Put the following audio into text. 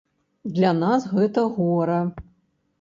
Для нас гэта гора.